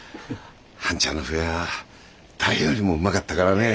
半ちゃんの笛は誰よりもうまかったからね。